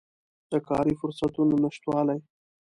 د کاري فرصتونو نشتوالی